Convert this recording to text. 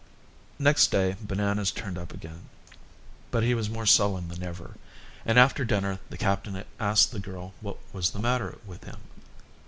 Next day Bananas turned up again, but he was more sullen than ever, and after dinner the captain asked the girl what was the matter with him.